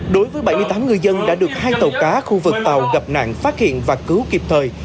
đối với bảy mươi tám người dân đã được hai tàu cá khu vực tàu gặp nạn phát hiện và cứu kịp thời